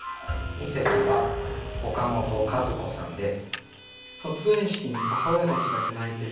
二席は岡本和子さんです。